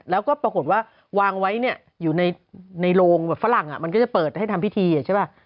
แล้วก็ปรากฏว่าวางไว้เนี่ยอยู่ในโรงแบบฝรั่งมันก็จะเปิดให้ทำพิธีใช่ป่ะ